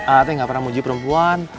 a a teh gak pernah mau uji perempuan